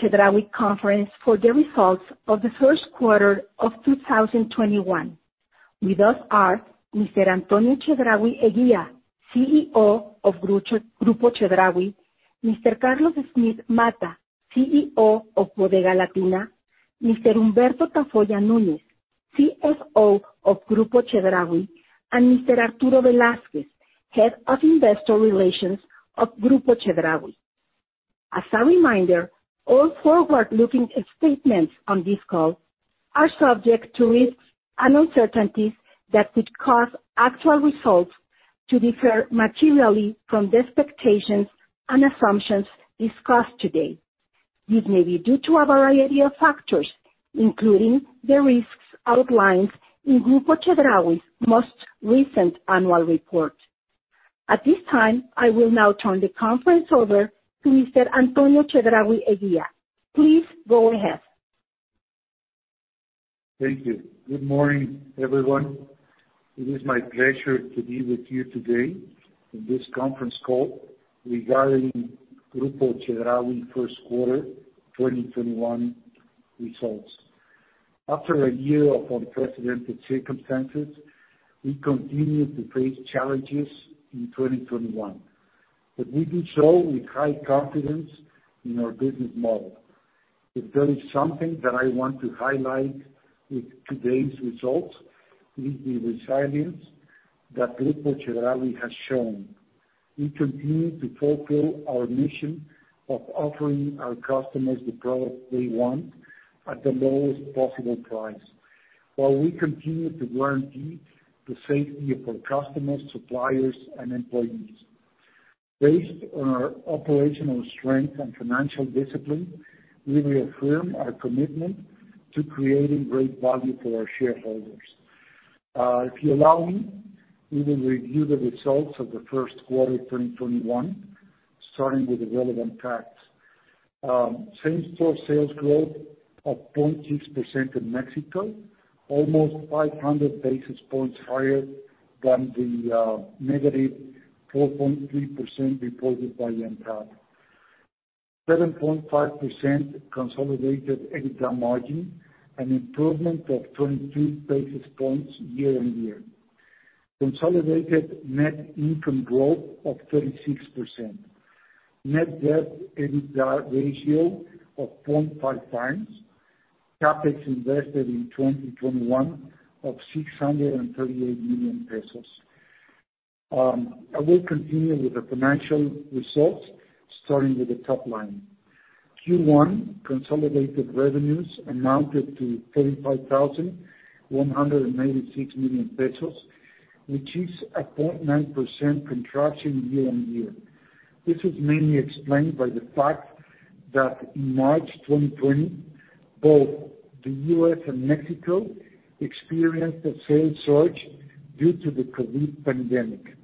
Welcome to the Chedraui conference for the results of the first quarter of 2021. With us are Mr. Antonio Chedraui Eguía, CEO of Grupo Chedraui, Mr. Carlos Smith Matas, CEO of Bodega Latina, Mr. Humberto Tafolla Núñez, CFO of Grupo Chedraui, and Mr. Arturo Velazquez, head of investor relations of Grupo Chedraui. As a reminder, all forward-looking statements on this call are subject to risks and uncertainties that could cause actual results to differ materially from the expectations and assumptions discussed today. This may be due to a variety of factors, including the risks outlined in Grupo Chedraui's most recent annual report. At this time, I will now turn the conference over to Mr. Antonio Chedraui Eguía. Please go ahead. Thank you. Good morning, everyone. It is my pleasure to be with you today on this conference call regarding Grupo Chedraui first quarter 2021 results. After a year of unprecedented circumstances, we continue to face challenges in 2021. We do so with high confidence in our business model. If there is something that I want to highlight with today's results, it is the resilience that Grupo Chedraui has shown. We continue to fulfill our mission of offering our customers the product they want at the lowest possible price, while we continue to guarantee the safety of our customers, suppliers, and employees. Based on our operational strength and financial discipline, we reaffirm our commitment to creating great value for our shareholders. If you allow me, we will review the results of the first quarter 2021, starting with the relevant facts. Same-store sales growth of 0.6% in Mexico, almost 500 basis points higher than the -4.3% reported by ANTAD. 7.5% consolidated EBITDA margin, an improvement of 22 basis points year-over-year. Consolidated net income growth of 36%. Net debt/EBITDA ratio of 0.5 times. CAPEX invested in 2021 of 638 million pesos. I will continue with the financial results, starting with the top line. Q1 consolidated revenues amounted to 35,196 million pesos, which is a 0.9% contraction year-over-year. This is mainly explained by the fact that in March 2020, both the U.S. and Mexico experienced a sales surge due to the COVID pandemic.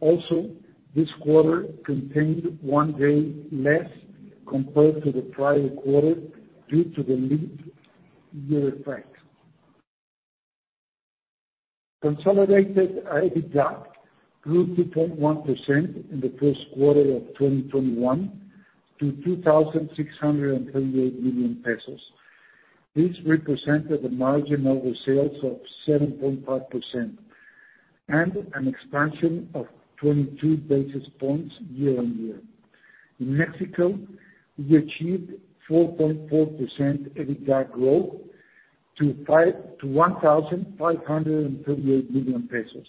Also, this quarter contained one day less compared to the prior quarter due to the leap year effect. Consolidated EBITDA grew 2.1% in the first quarter of 2021 to 2,638 million pesos. This represented a margin over sales of 7.5% and an expansion of 22 basis points year-on-year. In Mexico, we achieved 4.4% EBITDA growth to 1,538 million pesos.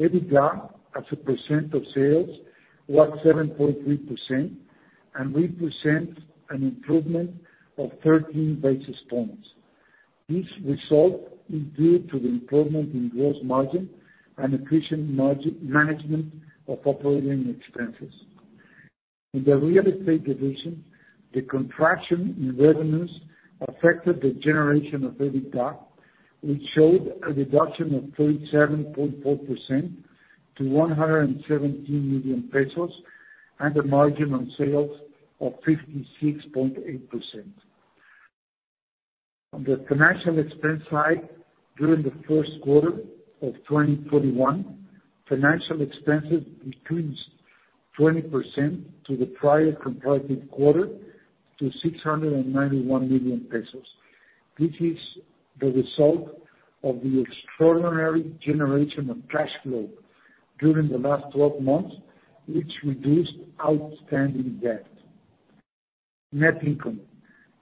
EBITDA as a % of sales was 7.3% and represents an improvement of 13 basis points. This result is due to the improvement in gross margin and efficient management of operating expenses. In the real estate division, the contraction in revenues affected the generation of EBITDA, which showed a reduction of 37.4% to 117 million pesos and a margin on sales of 56.8%. On the financial expense side, during the first quarter of 2021, financial expenses decreased 20% to the prior comparative quarter to 691 million pesos. This is the result of the extraordinary generation of cash flow during the last 12 months, which reduced outstanding debt. Net income.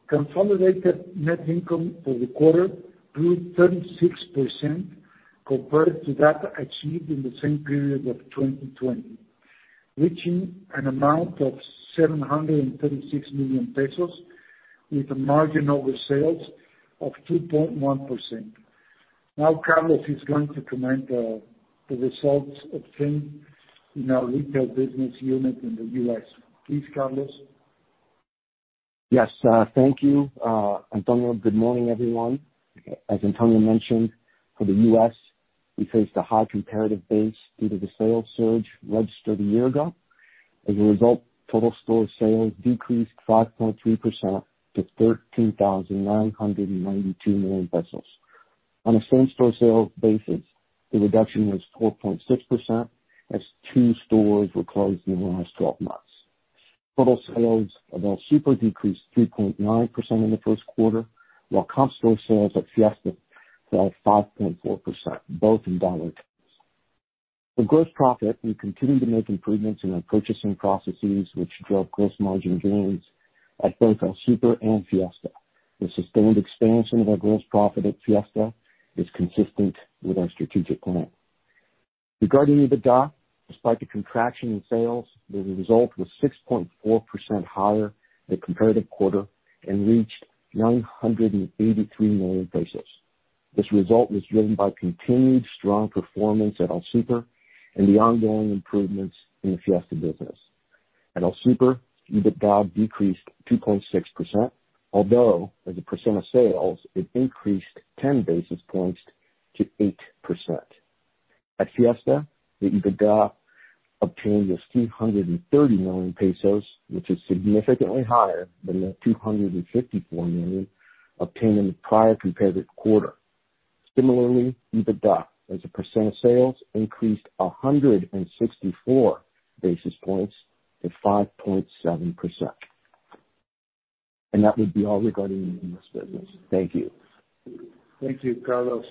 Consolidated net income for the quarter grew 36% compared to that achieved in the same period of 2020, reaching an amount of 736 million pesos with a margin over sales of 2.1%. Now, Carlos is going to comment the results obtained in our retail business unit in the U.S. Please, Carlos. Yes. Thank you, Antonio. Good morning, everyone. As Antonio mentioned, for the U.S., we faced a high comparative base due to the sales surge registered a year ago. As a result, total store sales decreased 5.3% to 13,992 million pesos. On a same-store sales basis, the reduction was 4.6%, as two stores were closed in the last 12 months. Total sales of El Super decreased 3.9% in the first quarter, while comp store sales at Fiesta fell 5.4%, both in dollar terms. For gross profit, we continued to make improvements in our purchasing processes, which drove gross margin gains at both El Super and Fiesta. The sustained expansion of our gross profit at Fiesta is consistent with our strategic plan. Regarding EBITDA, despite the contraction in sales, the result was 6.4% higher than comparative quarter and reached 983 million pesos. This result was driven by continued strong performance at El Super and the ongoing improvements in the Fiesta business. At El Super, EBITDA decreased 2.6%, although as a percent of sales, it increased 10 basis points to 8%. At Fiesta, the EBITDA obtained was 330 million pesos, which is significantly higher than the 254 million obtained in the prior comparative quarter. Similarly, EBITDA as a percent of sales increased 164 basis points to 5.7%. That would be all regarding the US business. Thank you. Thank you, Carlos.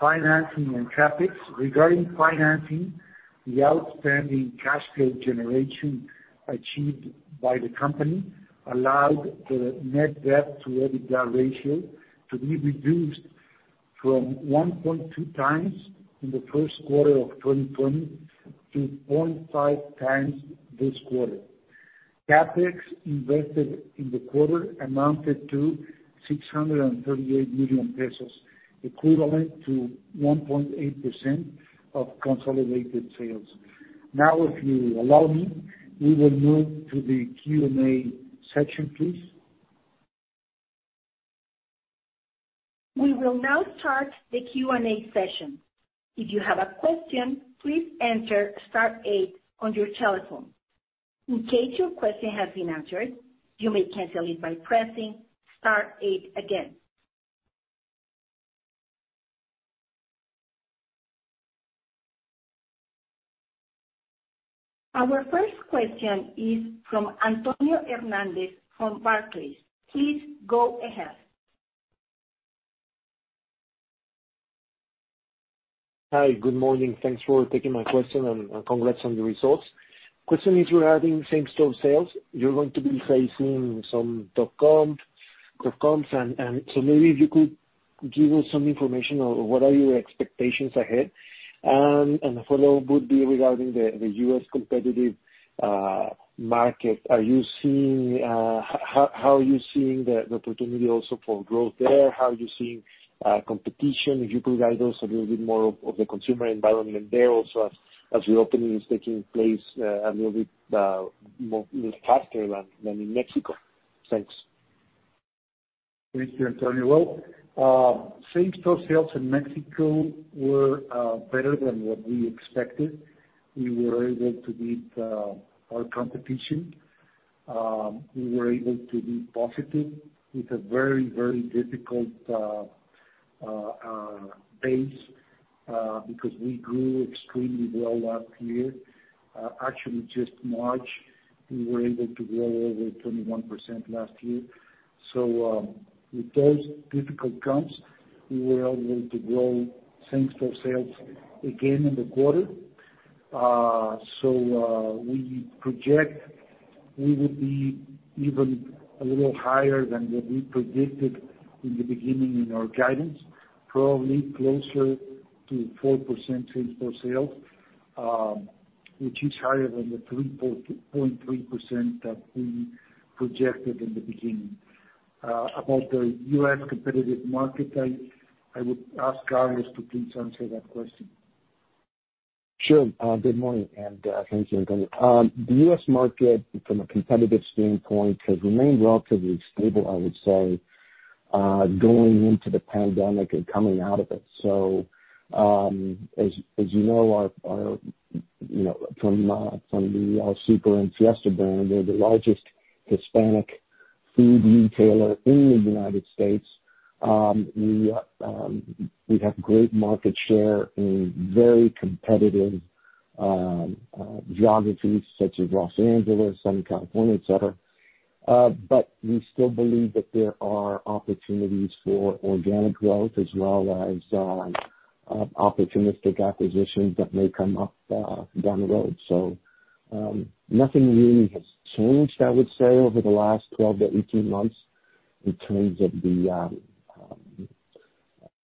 Financing, CapEx. Regarding financing, the outstanding cash flow generation achieved by the company allowed the net debt to EBITDA ratio to be reduced from 1.2x in the first quarter of 2020 to 0.5x this quarter. CapEx invested in the quarter amounted to 638 million pesos, equivalent to 1.8% of consolidated sales. If you allow me, we will move to the Q&A section, please. We will now start the Q&A session. If you have a question, please enter star eight on your telephone. In case your question has been answered, you may cancel it by pressing star eight again. Our first question is from Antonio Hernandez from Barclays. Please go ahead. Hi. Good morning. Thanks for taking my question and congrats on the results. Question is regarding same-store sales. You're going to be facing some tough comps. Maybe if you could give us some information on what are your expectations ahead. A follow-up would be regarding the US competitive market. How are you seeing the opportunity also for growth there? How are you seeing competition? If you could guide us a little bit more of the consumer environment there also as reopening is taking place a little bit faster than in Mexico. Thanks. Thank you, Antonio. Well, same-store sales in Mexico were better than what we expected. We were able to beat our competition. We were able to be positive with a very difficult base, because we grew extremely well last year. Actually, just March, we were able to grow over 21% last year. With those difficult comps, we were able to grow same-store sales again in the quarter. We project we would be even a little higher than what we predicted in the beginning in our guidance, probably closer to 4% same-store sales, which is higher than the 3.3% that we projected in the beginning. About the US competitive market, I would ask Carlos to please answer that question. Sure. Good morning, and thanks, Antonio. The US market from a competitive standpoint has remained relatively stable, I would say, going into the pandemic and coming out of it. As you know, from the El Super and Fiesta brand, we're the largest Hispanic food retailer in the United States. We have great market share in very competitive geographies such as Los Angeles, Southern California, et cetera. We still believe that there are opportunities for organic growth as well as opportunistic acquisitions that may come up down the road. Nothing really has changed, I would say, over the last 12-18 months in terms of the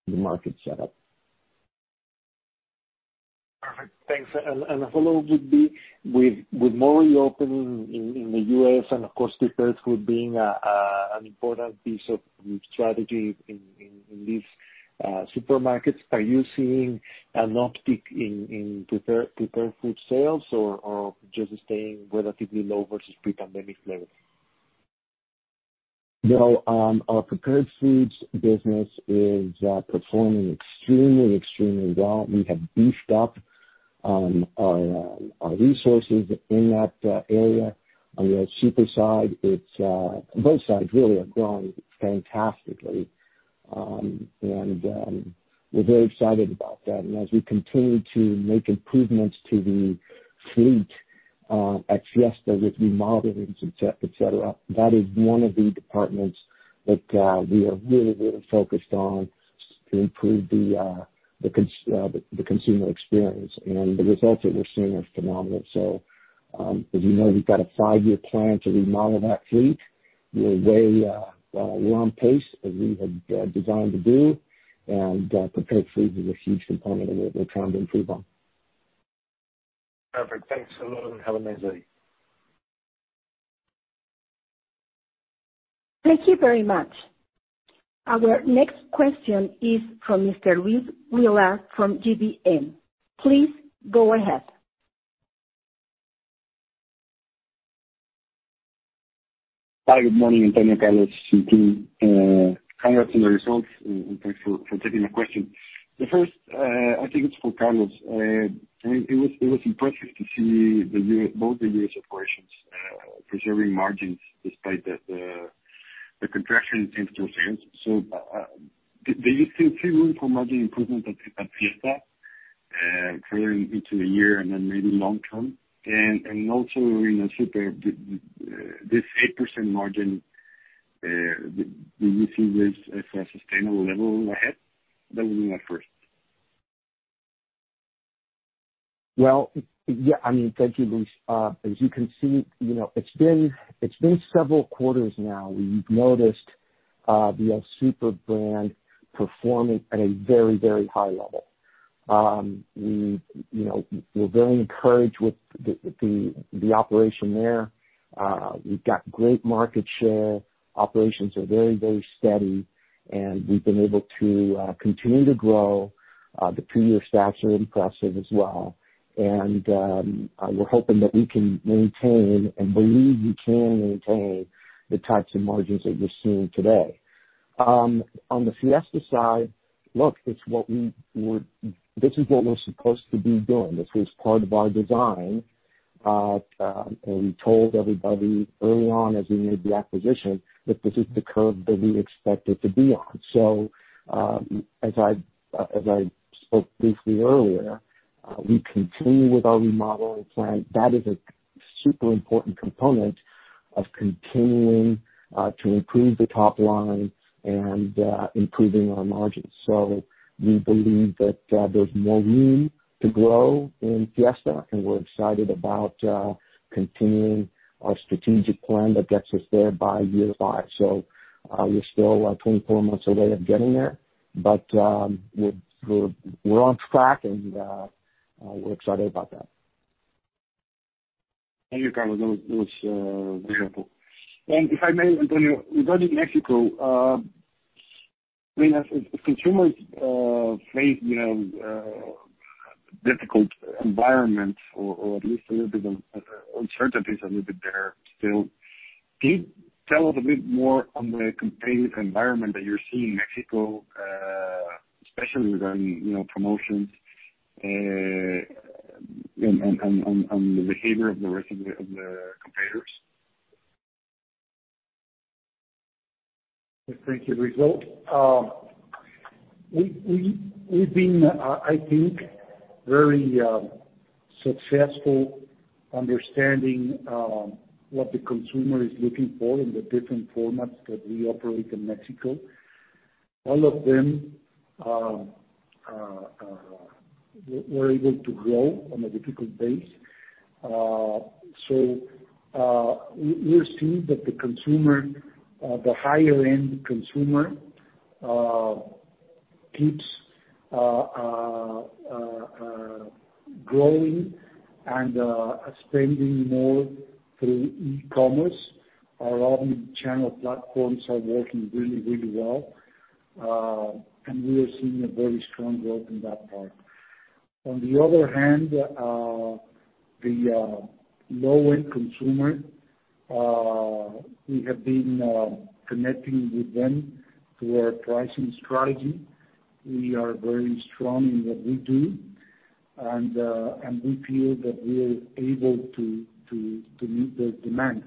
market setup. Perfect. Thanks. A follow-up would be, with more reopening in the U.S. and of course prepared food being an important piece of strategy in these supermarkets, are you seeing an uptick in prepared food sales or just staying relatively low versus pre-pandemic levels? Well, our prepared foods business is performing extremely well. We have beefed up our resources in that area. On the Super side, both sides really have grown fantastically. We're very excited about that. As we continue to make improvements to the fleet at Fiesta with remodeling, et cetera, that is one of the departments that we are really focused on to improve the consumer experience. The results that we're seeing are phenomenal. As you know, we've got a five-year plan to remodel that fleet. We're on pace as we had designed to do. Prepared food is a huge component of what we're trying to improve on. Perfect. Thanks a lot, Carlos matas. Thank you very much. Our next question is from Mr. Luis Rueda from GBM. Please go ahead. Hi, good morning, Antonio, Carlos, and team. Congrats on the results, and thanks for taking the question. The first, I think it's for Carlos. It was impressive to see both the U.S. operations preserving margins despite the contraction in same-store sales. Do you still see room for margin improvement at Fiesta carrying into the year and then maybe long term? Also in Super, this 8% margin, do you see this as a sustainable level ahead? That would be my first. Well, yeah. Thank you, Luis. As you can see, it's been several quarters now. We've noticed the Super brand performing at a very, very high level. We're very encouraged with the operation there. We've got great market share. Operations are very, very steady, and we've been able to continue to grow. The two-year stacks are impressive as well. We're hoping that we can maintain and believe we can maintain the types of margins that we're seeing today. On the Fiesta side, look, this is what we're supposed to be doing. This is part of our design. We told everybody early on as we made the acquisition that this is the curve that we expected to be on. As I spoke briefly earlier, we continue with our remodeling plan. That is a super important component of continuing to improve the top line and improving our margins. We believe that there's more room to grow in Fiesta, and we're excited about continuing our strategic plan that gets us there by year five. We're still 24 months away of getting there, but we're on track, and we're excited about that. Thank you, Carlos. That was wonderful. If I may, Antonio, regarding Mexico, we have consumers face difficult environments or at least a little bit of uncertainties there still. Can you tell us a bit more on the competitive environment that you're seeing in Mexico, especially regarding promotions on the behavior of the rest of the competitors? Thank you, Luis. We've been, I think, very successful understanding what the consumer is looking for in the different formats that we operate in Mexico. All of them were able to grow on a difficult base. We are seeing that the higher-end consumer keeps growing and spending more through e-commerce. Our omni-channel platforms are working really, really well. We are seeing a very strong growth in that part. On the other hand, the low-end consumer, we have been connecting with them through our pricing strategy. We are very strong in what we do, and we feel that we are able to meet their demands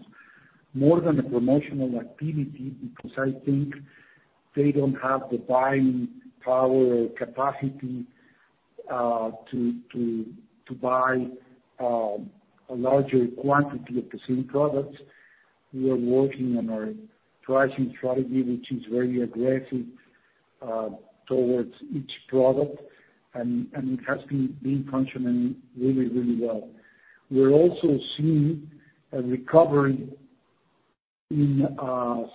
more than a promotional activity because I think they don't have the buying power or capacity to buy a larger quantity of the same products. We are working on our pricing strategy, which is very aggressive towards each product, and it has been functioning really, really well. We're also seeing a recovery in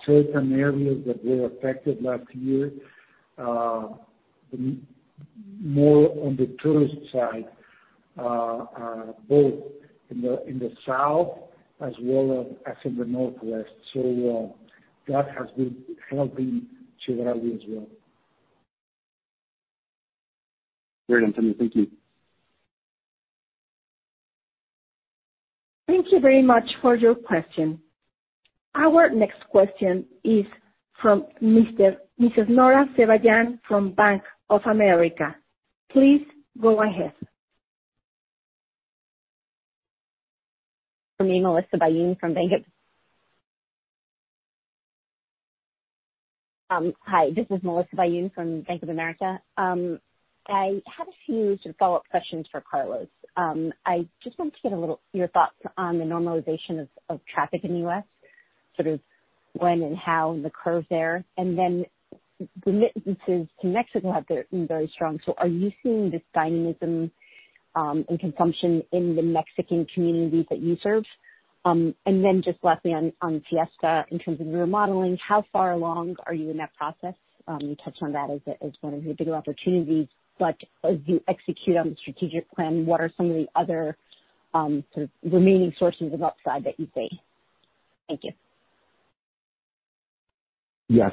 certain areas that were affected last year, more on the tourist side, both in the South as well as in the Northwest. That has been helping Chedraui as well. Great, Antonio. Thank you. Thank you very much for your question. Our next question is from Mrs. Nora Sebejan from Bank of America. Please go ahead. Hi, this is Melissa Byun from Bank of America. I had a few sort of follow-up questions for Carlos. I just wanted to get your thoughts on the normalization of traffic in the U.S., sort of when and how the curve there, and then remittances to Mexico have been very strong. Are you seeing this dynamism, and consumption in the Mexican communities that you serve? Just lastly, on Fiesta, in terms of remodeling, how far along are you in that process? You touched on that as one of your bigger opportunities, as you execute on the strategic plan, what are some of the other sort of remaining sources of upside that you see? Thank you. Yes.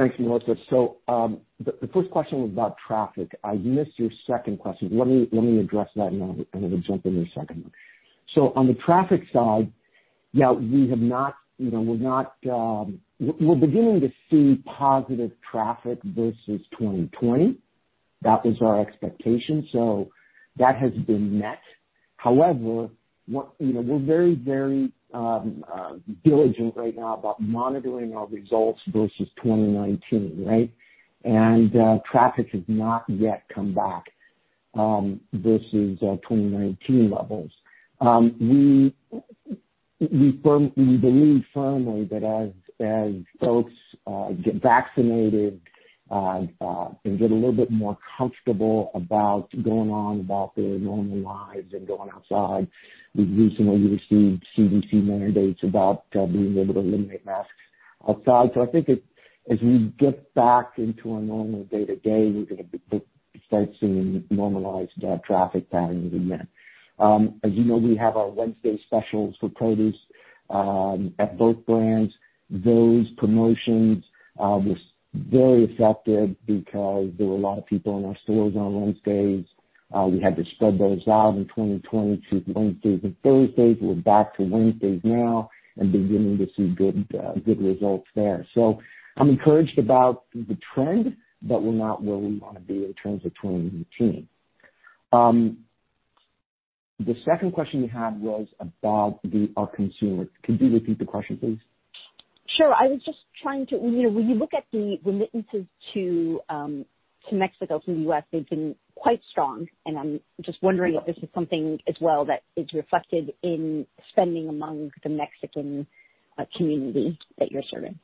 Thanks, Melissa. The first question was about traffic. I missed your second question. Let me address that, and then I'm going to jump into the second one. On the traffic side, yeah, we're beginning to see positive traffic versus 2020. That was our expectation. That has been met. However, we're very diligent right now about monitoring our results versus 2019, right? Traffic has not yet come back, versus our 2019 levels. We believe firmly that as folks get vaccinated, and get a little bit more comfortable about going on about their normal lives and going outside. We've recently received CDC mandates about being able to eliminate masks outside. I think as we get back into our normal day-to-day, we're going to start seeing normalized traffic patterns again. As you know, we have our Wednesday specials for produce, at both brands. Those promotions, were very effective because there were a lot of people in our stores on Wednesdays. We had to spread those out in 2020 to Wednesdays and Thursdays. We're back to Wednesdays now and beginning to see good results there. I'm encouraged about the trend, but we're not where we want to be in terms of 2019. The second question you had was about our consumer. Could you repeat the question, please? Sure. When you look at the remittances to Mexico from the U.S., they've been quite strong, and I'm just wondering if this is something as well that is reflected in spending among the Mexican community that you're serving?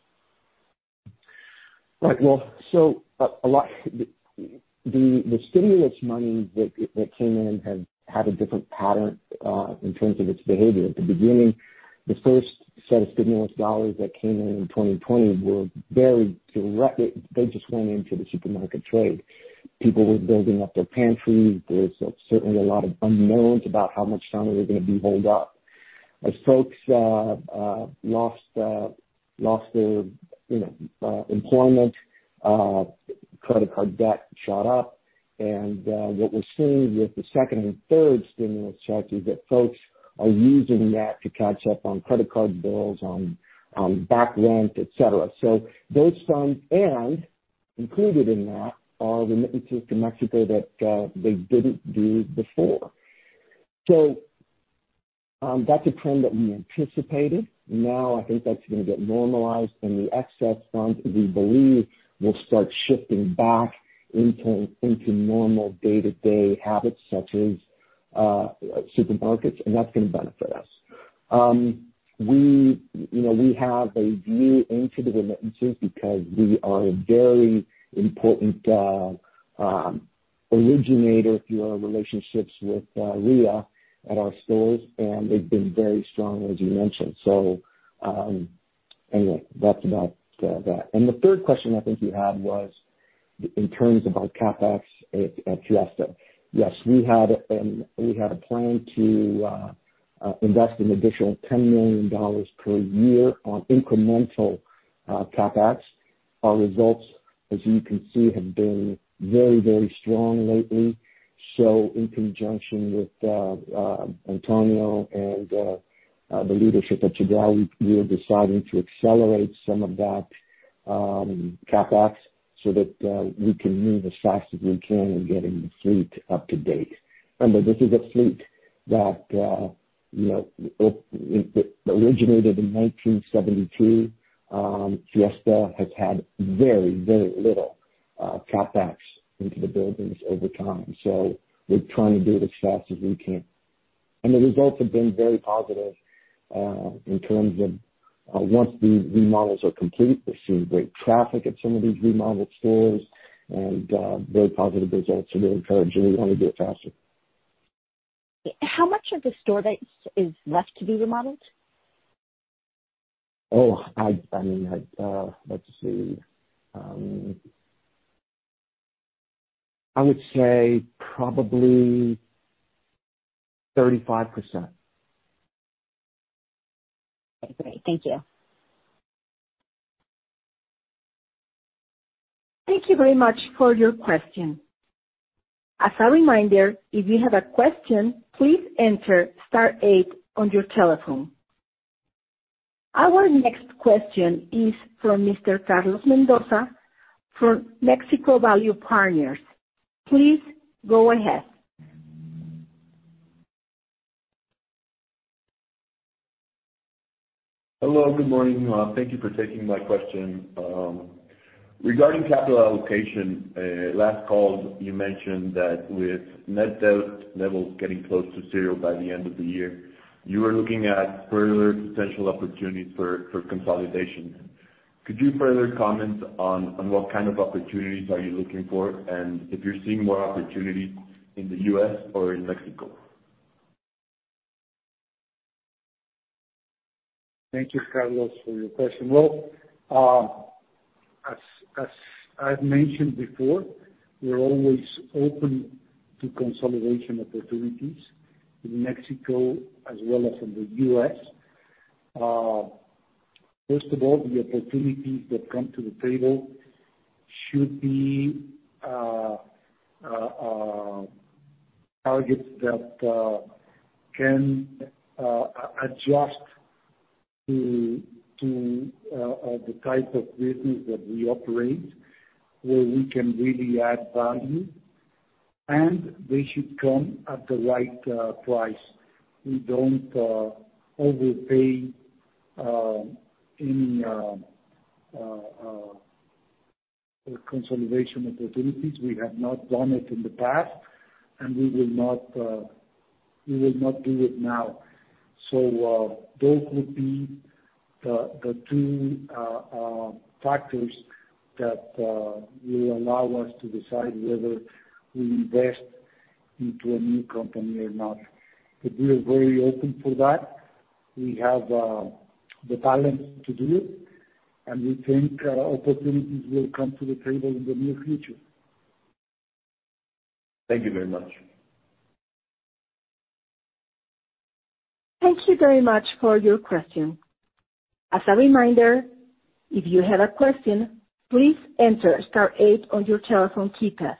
Right. Well, the stimulus money that came in had a different pattern, in terms of its behavior. At the beginning, the first set of stimulus dollars that came in in 2020 were very direct. They just went into the supermarket trade. People were building up their pantry. There was certainly a lot of unknowns about how much longer they were going to be holed up. As folks lost their employment, credit card debt shot up. What we're seeing with the second and third stimulus checks is that folks are using that to catch up on credit card bills, on back rent, et cetera. Those funds and included in that are remittances to Mexico that they didn't do before. That's a trend that we anticipated. Now, I think that's going to get normalized, and the excess funds, we believe, will start shifting back into normal day-to-day habits such as supermarkets, and that's going to benefit us. We have a view into the remittances because we are a very important originator through our relationships with Ria at our stores, and they've been very strong, as you mentioned. Anyway, that's about that. The third question I think you had was in terms of our CapEx at Fiesta. Yes, we had a plan to invest an additional $10 million per year on incremental CapEx. Our results, as you can see, have been very strong lately. In conjunction with Antonio and the leadership at Chedraui, we are deciding to accelerate some of that CapEx so that we can move as fast as we can in getting the fleet up to date. Remember, this is a fleet that originated in 1972. Fiesta has had very little CAPEX into the buildings over time, so we're trying to do it as fast as we can. The results have been very positive, in terms of once the remodels are complete, we're seeing great traffic at some of these remodeled stores and very positive results, so we're encouraged, and we want to do it faster. How much of the store base is left to be remodeled? Oh, let's see. I would say probably 35%. Okay, great. Thank you. Thank you very much for your question. As a reminder, if you have a question, please enter star eight on your telephone. Our next question is from Mr. Carlos Mendoza from Mexico Value Partners. Please go ahead. Hello, good morning. Thank you for taking my question. Regarding capital allocation, last call you mentioned that with net debt levels getting close to zero by the end of the year, you were looking at further potential opportunities for consolidation. Could you further comment on what kind of opportunities are you looking for, and if you're seeing more opportunities in the U.S. or in Mexico? Thank you, Carlos, for your question. Well, as I've mentioned before, we're always open to consolidation opportunities in Mexico as well as in the U.S. First of all, the opportunities that come to the table should be targets that can adjust to the type of business that we operate, where we can really add value, and they should come at the right price. We don't overpay any consolidation opportunities. We have not done it in the past, and we will not do it now. Those would be the two factors that will allow us to decide whether we invest into a new company or not. We are very open for that. We have the talent to do it, and we think opportunities will come to the table in the near future. Thank you very much. Thank you very much for your question. As a reminder, if you have a question, please enter star eight on your telephone keypad.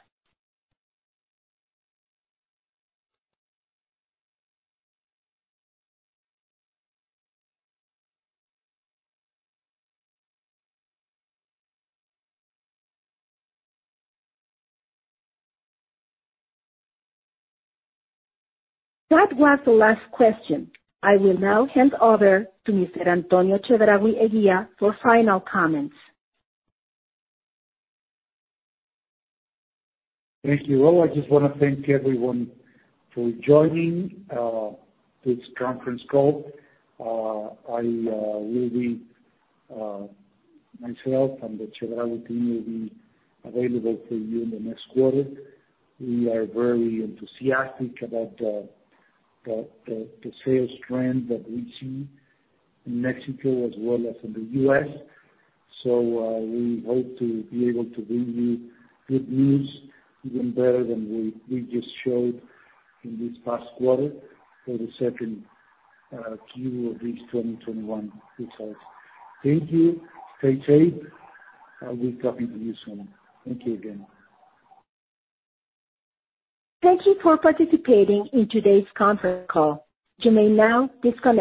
That was the last question. I will now hand over to Mr. Antonio Chedraui Eguía for final comments. Thank you. Well, I just want to thank everyone for joining this conference call. Myself and the Chedraui team will be available for you in the next quarter. We are very enthusiastic about the sales trend that we see in Mexico as well as in the U.S. We hope to be able to bring you good news, even better than we just showed in this past quarter for the 2Q of this 2021 results. Thank you. Stay safe. I'll be talking to you soon. Thank you again. Thank you for participating in today's conference call. You may now disconnect.